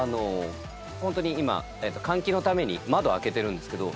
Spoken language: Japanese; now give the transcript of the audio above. ホントに今換気のために窓開けてるんですけど。